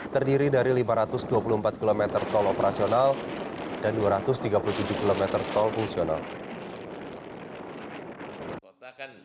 terdiri dari lima ratus dua puluh empat km tol operasional dan dua ratus tiga puluh tujuh km tol fungsional